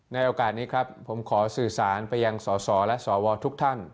ในโอกาสนี้ครับผมขอสื่อสารไปยังสสและสวทุกท่าน